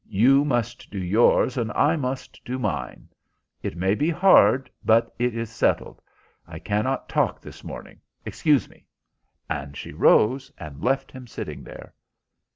"You must do yours, and I must do mine. It may be hard, but it is settled. I cannot talk this morning. Excuse me." And she rose and left him sitting there.